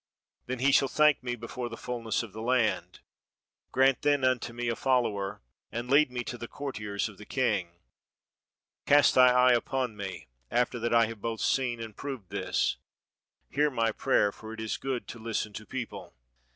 Then he shall thank me before the fullness of the land. Grant then unto me a follower, and lead me to the courtiers of the king. Cast thy eye upon me after that 45 EGYPT I have both seen and proved this. Hear my prayer, for it is good to listen to people.